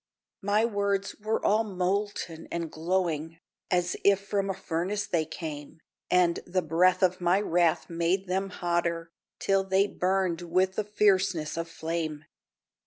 My words were all molten and glowing, As if from a furnace they came, And the breath of my wrath made them hotter, Till they burned with the fierceness of flame.